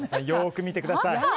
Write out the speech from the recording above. よく見てください。